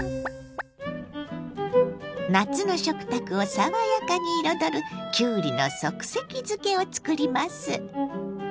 夏の食卓を爽やかに彩るきゅうりの即席漬けを作ります。